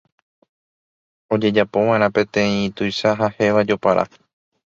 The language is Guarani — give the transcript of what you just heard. ojejapova'erã peteĩ tuicha ha héva jopara